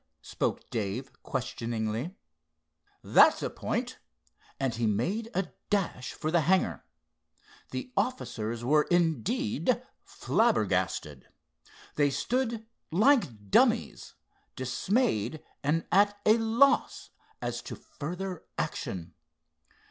spoke Dave, questioningly. "That's a point," and he made a dash for the hangar. The officers were, indeed, "flabbergasted." They stood like dummies, dismayed and at a loss as to further action.